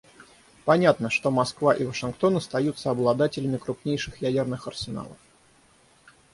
Понятно, что Москва и Вашингтон остаются обладателями крупнейших ядерных арсеналов.